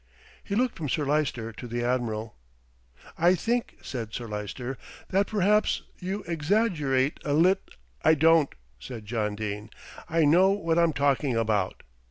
He looked from Sir Lyster to the Admiral. "I think," said Sir Lyster, "that perhaps you exaggerate a lit " "I don't," said John Dene. "I know what I'm talking about.